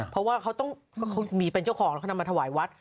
เพราะว่าเขาต้องมีเป็นเจ้าของแล้วเขานำมาถวายวัด